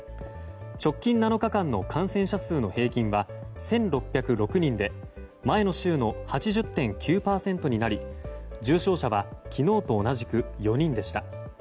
直近７日間の感染者数の平均は１６０６人で前の週の８０．９％になり重症者は昨日と同じく４人でした。